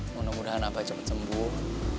mudah mudahan apa cepat sembuh